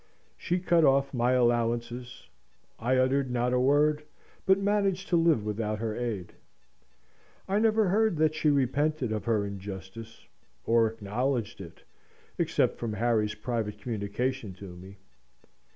She cut off my allowances: I uttered not a word; but managed to live without her aid. I never heard that she repented of her injustice, or acknowledged it, except from Harry's private communication to me.